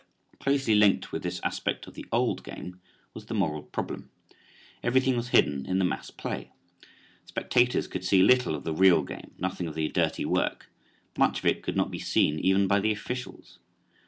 Closely linked with this aspect of the "old" game was the moral problem. Everything was hidden in the mass play. Spectators could see little of the real game, nothing of the "dirty work." Much of it could not be seen even by the officials.